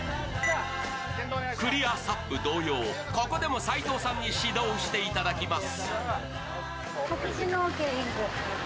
クリアＳＵＰ同様、ここでも齊藤さんに指導していただきます。